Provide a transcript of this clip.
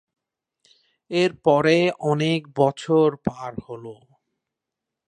এরপরে অনেক বছর পার হল।